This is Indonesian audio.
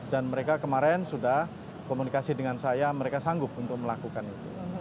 mereka kemarin sudah komunikasi dengan saya mereka sanggup untuk melakukan itu